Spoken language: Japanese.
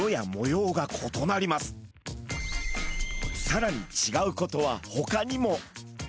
さらにちがうことはほかにも！